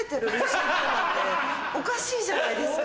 おかしいじゃないですか。